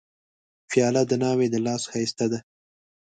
پیاله د ناوې د لاس ښایسته ده.